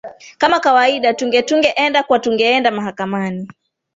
kama kawaida tunge tunge enda kwa tungeenda mahakamani